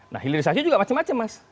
nah hilirisasi juga macam macam mas